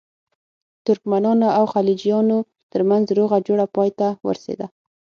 ترکمنانو او خلجیانو ترمنځ روغه جوړه پای ته ورسېده.